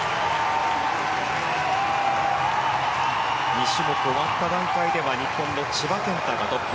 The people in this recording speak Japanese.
２種目終わった段階では日本の千葉健太がトップ。